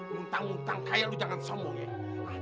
muntang muntang kayak lu jangan sombong ya